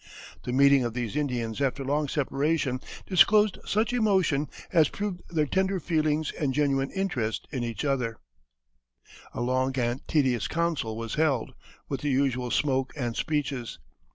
The meeting of these Indians after long separation disclosed such emotion as proved their tender feelings and genuine interest in each other. [Illustration: Castle Rock, on the Columbia River.] A long and tedious council was held, with the usual smoke and speeches.